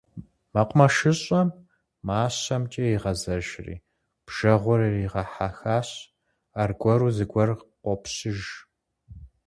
МэкъумэшыщӀэм мащэмкӀэ игъэзэжри, бжэгъур иригъэхьэхащ - аргуэру зыгуэр къопщыж.